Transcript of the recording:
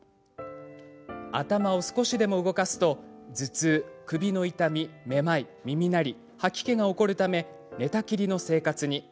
頭を少しでも動かすと頭痛、首の痛み、めまい、耳鳴り吐き気が起こるため寝たきりの生活に。